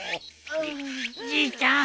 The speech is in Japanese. じいちゃん